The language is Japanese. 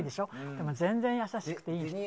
でも全然優しくていい人。